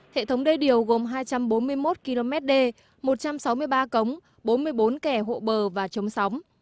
hệ thống đê điều gồm hai trăm bốn mươi một km đê một trăm sáu mươi ba cống bốn mươi bốn kẻ hộ bờ và chống sóng